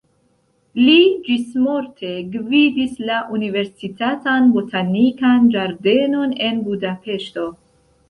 Li ĝismorte gvidis la universitatan botanikan ĝardenon en Budapeŝto.